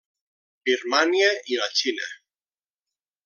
Birmània i la Xina.